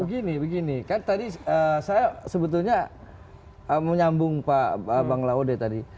begini begini kan tadi saya sebetulnya menyambung pak bang laude tadi